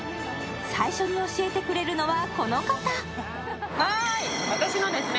最初に教えてくれるのはこの方。